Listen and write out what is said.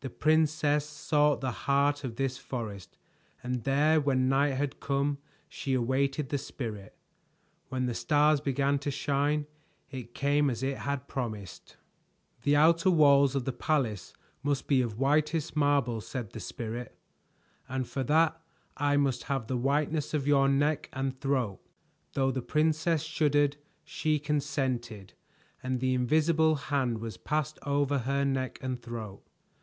The princess sought the heart of this forest, and there when night had come she awaited the Spirit. When the stars began to shine, it came as it had promised. "The outer walls of the palace must be of whitest marble," said the Spirit, "and for that I must have the whiteness of your neck and throat." Though the princess shuddered, she consented, and the invisible hand was passed over her neck and throat.